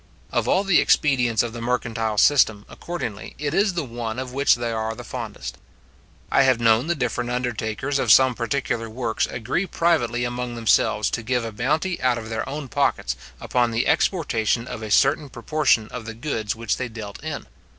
Of all the expedients of the mercantile system, accordingly, it is the one of which they are the fondest. I have known the different undertakers of some particular works agree privately among themselves to give a bounty out of their own pockets upon the exportation of a certain proportion of the goods which they dealt in.